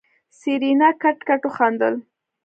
سېرېنا کټ کټ وخندل.